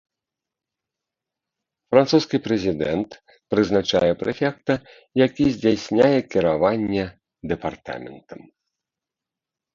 Французскі прэзідэнт прызначае прэфекта, які здзяйсняе кіраванне дэпартаментам.